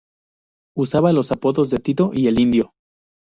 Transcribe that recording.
Usaba los apodos de Tito y El Indio.